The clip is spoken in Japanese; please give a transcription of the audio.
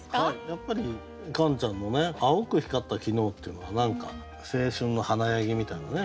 やっぱりカンちゃんの「青く光った昨日」っていうのが何か青春の華やぎみたいなね